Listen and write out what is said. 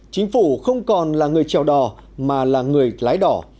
chính phủ không còn là người trèo đò mà là người lái đỏ